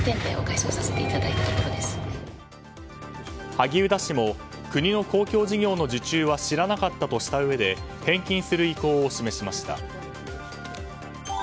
萩生田氏も国の公共事業の受注は知らなかったとしたうえで返金する意向を示しました。